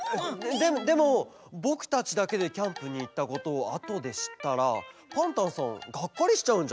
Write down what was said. ででもぼくたちだけでキャンプにいったことをあとでしったらパンタンさんがっかりしちゃうんじゃない？